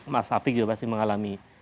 mas hafik juga pasti mengalami